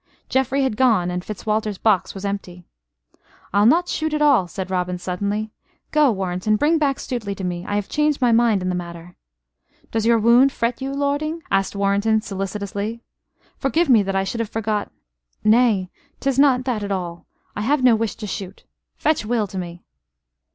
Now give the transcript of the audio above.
Geoffrey had gone, and Fitzwalter's box was empty. "I'll not shoot at all," said Robin, suddenly. "Go, Warrenton, bring back Stuteley to me. I have changed my mind in the matter." "Does your wound fret you, lording?" asked Warrenton, solicitously. "Forgive me that I should have forgot " "Nay 'tis not that at all. I have no wish to shoot. Fetch Will to me."